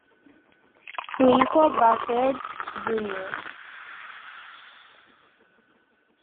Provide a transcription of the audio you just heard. Su hijo Bassett Jr.